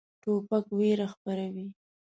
توپک ویره خپروي.